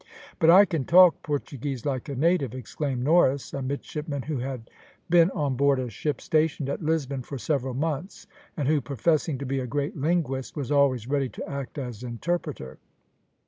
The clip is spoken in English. "But I can talk Portuguese like a native," exclaimed Norris, a midshipman who had been on board a ship stationed at Lisbon for several months, and who, professing to be a great linguist, was always ready to act as interpreter.